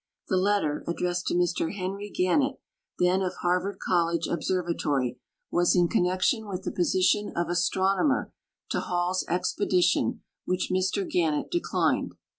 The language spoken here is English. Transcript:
The letter, addressed to Mr Henry Gannett, then of Harvard College observatoiy, was in connection with the position of astronomer to Hall's expedition, which Mr Gannett declined.